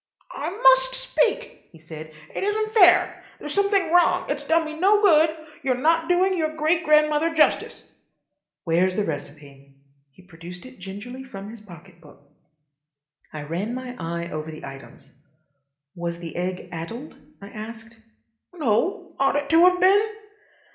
"I must speak," he said. "It isn't fair. There's something wrong. It's done me no good. You're not doing your great grandmother justice." "Where's the recipe?" He produced it gingerly from his pocket book. I ran my eye over the items. "Was the egg addled?" I asked. "No. Ought it to have been?"